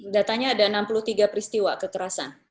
datanya ada enam puluh tiga peristiwa kekerasan